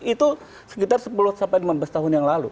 itu sekitar sepuluh sampai lima belas tahun yang lalu